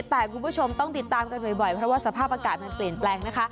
แต่คุณผู้ชมต้องติดตามกันบ่อยเพราะว่าสภาพอากาศมันเปลี่ยนแปลงนะคะ